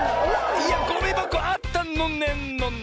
いやゴミばこあったのねんのねん！